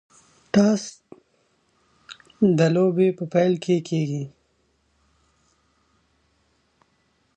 ټاس د بازۍ په پیل کښي کیږي.